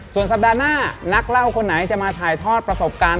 ส่วนสัปดาห์หน้านักเล่าคนไหนจะมาถ่ายทอดประสบการณ์